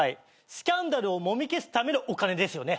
スキャンダルをもみ消すためのお金ですよね。